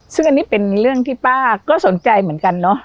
ซึ่งอันนี้เป็นเรื่องที่ป้าก็สนใจเหมือนกันเนอะ